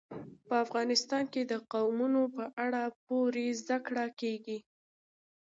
په افغانستان کې د قومونه په اړه پوره زده کړه کېږي.